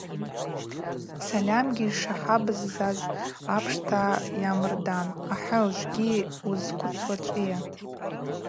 Сальамгьи йшахабзаз апшта йамырдан: Ахӏы, ужвыгьи уыззхъвыцуа ачӏвыйа?